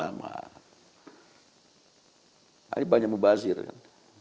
ini banyak membazir kan